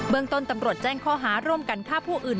เมืองต้นตำรวจแจ้งข้อหาร่วมกันฆ่าผู้อื่น